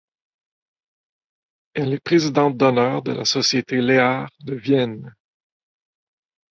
Elle est présidente d'honneur de la Société Lehár de Vienne.